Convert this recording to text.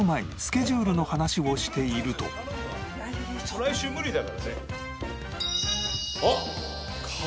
来週無理だからね。